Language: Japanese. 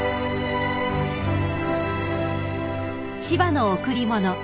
［『千葉の贈り物』